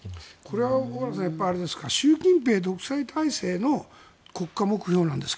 これは習近平独裁体制の国家目標なんですか。